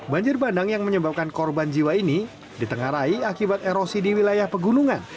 banjir bandang yang menyebabkan korban jiwa ini ditengarai akibat erosi di wilayah pegunungan